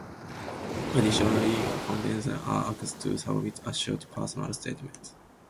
Additionally, contestants are asked to submit a short personal statement.